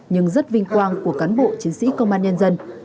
nhưng rất vinh quang của cán bộ chiến sĩ công an nhân dân